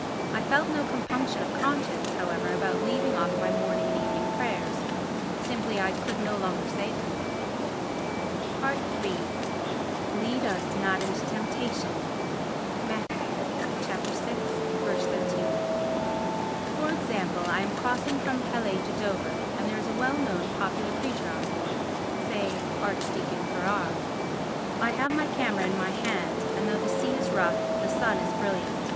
I felt no compunction of conscience, however, about leaving off my morning and evening prayers—simply I could no longer say them. iii Lead us not into temptation (Matt. vi. 13). For example; I am crossing from Calais to Dover and there is a well known popular preacher on board, say Archdeacon Farrar. I have my camera in my hand and though the sea is rough the sun is brilliant.